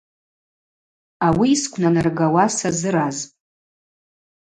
Ауи йсквнанаргауа сазыразпӏ.